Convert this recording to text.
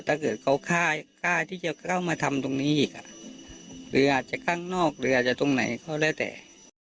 ถ้าเกิดเขากล้าที่จะเข้ามาทำตรงนี้อีกอ่ะเรืออาจจะข้างนอกเรือจะตรงไหนก็แล้วแต่